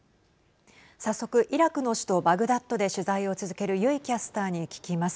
早速イラクの首都バグダッドで取材を続ける油井キャスターに聞きます。